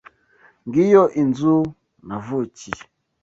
Ngiyo inzu navukiye.